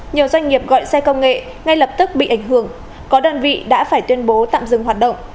nhiều doanh nghiệp gọi xe công nghệ ngay lập tức bị ảnh hưởng có đơn vị đã phải tuyên bố tạm dừng hoạt động